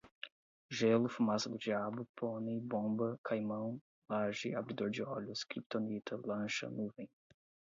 gelo, fumaça do diabo, pônei, bomba, caimão, laje, abridor de olhos, kryptonita, lancha, nuvem